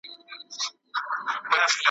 زما اصلي ګناه به دا وي چي زه خر یم ,